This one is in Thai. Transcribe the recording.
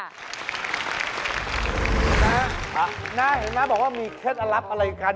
น้าน้าเห็นมั้ยว่ามีเคล็ดอรับอะไรกัน